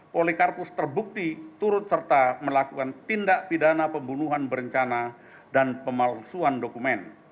polikarpus terbukti turut serta melakukan tindak pidana pembunuhan berencana dan pemalsuan dokumen